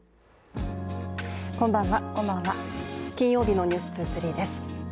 こんばんは、金曜日の「ｎｅｗｓ２３」です。